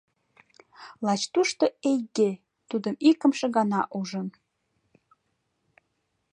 Лач тушто Эйге тудым икымше гана ужын.